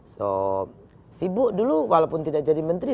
so sibuk dulu walaupun tidak jadi menteri